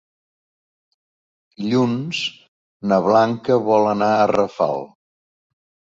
Dilluns na Blanca vol anar a Rafal.